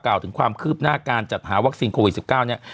ถึงความคืบหน้าการจัดหาวัคซีนโควิด๑๙เนี่ย